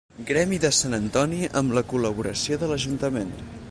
Gremi de Sant Antoni amb la col·laboració de l'Ajuntament.